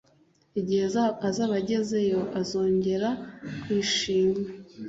igihe azaba agezeyo, azongera kwishima